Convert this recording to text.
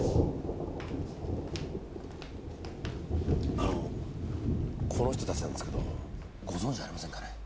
あのこの人たちなんですけどご存じありませんかね？